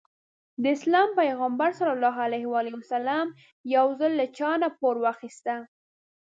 د اسلام پيغمبر ص يو ځل له چانه پور واخيسته.